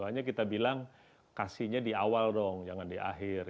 hanya kita bilang kasihnya di awal dong jangan di akhir